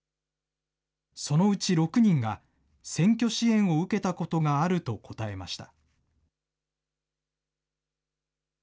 そのうち６人が、選挙支援を受けたことがあると答えました。